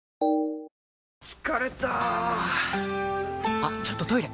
あっちょっとトイレ！